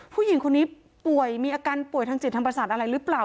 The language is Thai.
ผู้หญิงคนนี้ป่วยมีอาการป่วยทางจิตทางประสาทอะไรหรือเปล่า